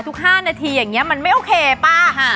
ทุก๕นาทีอย่างนี้มันไม่โอเคป้าค่ะ